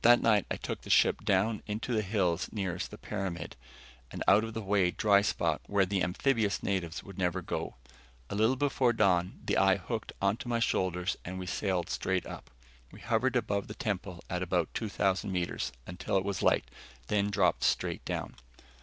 That night I took the ship down into the hills nearest the pyramid, an out of the way dry spot where the amphibious natives would never go. A little before dawn, the eye hooked onto my shoulders and we sailed straight up. We hovered above the temple at about 2,000 meters, until it was light, then dropped straight down.